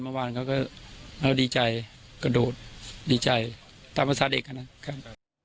เมื่อวานเขาก็ดีใจกระโดดดีใจตามภาษาเด็กนะครับ